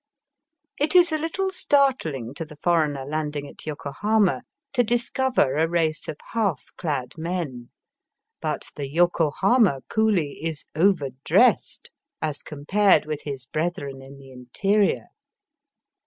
It is a Uttle startling to the foreigner landing at Yokohama to discover a race of half clad men. But the Yokohama coolie is overdressed as compared with his brethren in the interior.